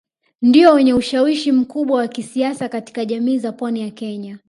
Ndio wenye ushawishi mkubwa wa kisiasa katika jamii za pwani ya Kenya